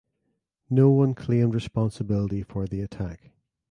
No one claimed responsibility for the attack.